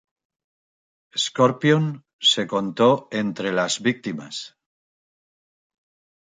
Scorpion se contó entre las víctimas.